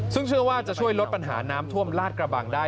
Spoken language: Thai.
ซึ่งเชื่อว่าจะช่วยลดปัญหาน้ำท่วมลาดกระบังได้